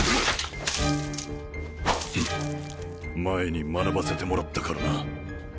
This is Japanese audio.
前に学ばせてもらったからな。